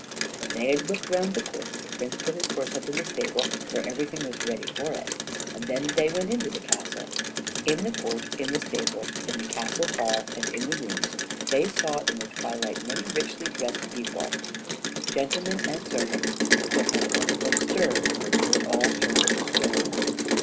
When they had looked round the court, the prince put his horse up in the stable, where everything was ready for it, and then they went into the castle. In the court, in the stable, in the castle hall, and in the rooms, they saw in the twilight many richly dressed people, gentlemen and servants, but not one of them stirred they were all turned to stone.